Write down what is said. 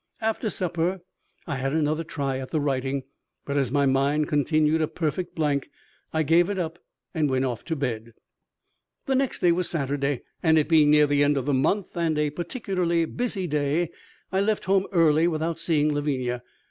After supper I had another try at the writing, but as my mind continued a perfect blank I gave it up and went off to bed. The next day was Saturday, and it being near the end of the month and a particularly busy day, I left home early without seeing Lavinia.